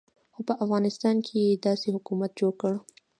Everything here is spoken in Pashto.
خو په افغانستان کې یې داسې حکومت جوړ کړ.